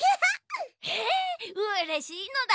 えうれしいのだ。